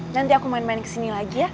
nanti aku main main kesini lagi ya